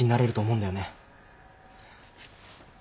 うん。